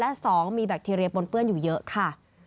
และ๒มีแบคทีเรียปนเปื้อนอยู่เยอะค่ะ